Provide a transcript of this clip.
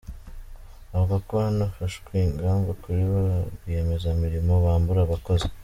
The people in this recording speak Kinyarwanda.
Avuga ko hanafashwe ingamba kuri ba rwiyemezamirimo bambura abakozi.